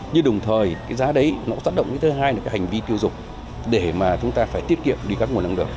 nhưng đồng thời cái giá đấy nó tác động cái thứ hai là cái hành vi tiêu dục để mà chúng ta phải tiết kiệm đi các nguồn năng lượng